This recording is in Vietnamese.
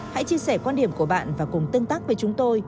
hãy chia sẻ quan điểm của bạn và cùng tương tác với chúng tôi